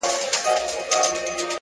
د وحشت؛ په ښاریه کي زندگي ده.